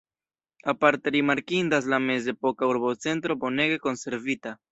Aparte rimarkindas la mezepoka urbocentro bonege konservita.